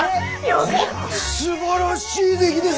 すばらしい出来です！